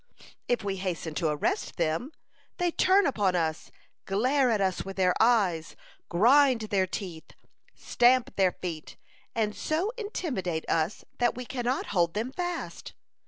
If we hasten to arrest them, they turn upon us, glare at us with their eyes, grind their teeth, stamp their feet, and so intimidate us that we cannot hold them fast.